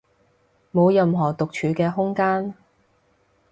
冇任何獨處嘅空間